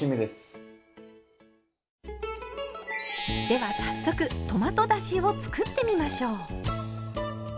では早速トマトだしを作ってみましょう。